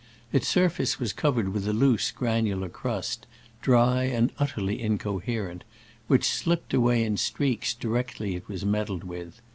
Its surface was covered with a loose, granular crust, dry and utterly incoherent, which slip ped away in streaks directly it was med dled with.